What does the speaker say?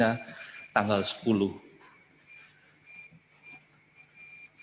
yang pertama kami ingin menyampaikan perhatian dari ketua komite udara